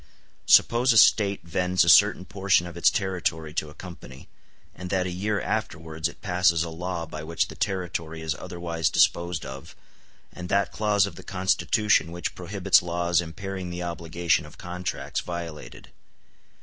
Suppose a State vends a certain portion of its territory to a company, and that a year afterwards it passes a law by which the territory is otherwise disposed of, and that clause of the Constitution which prohibits laws impairing the obligation of contracts violated.